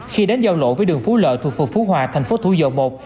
khi đến giao lộ với đường phú lợi thuộc phường phú hòa thành phố thủ dầu một